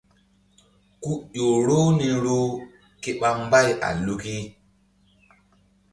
Ku ƴo roh ni roh ke ɓa mbay a luki.